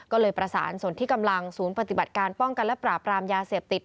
ก็เลยประสานส่วนที่กำลังศูนย์ปฏิบัติการป้องกันและปราบรามยาเสพติด